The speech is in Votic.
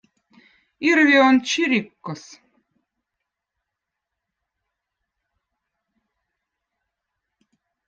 irvi on čirkkõz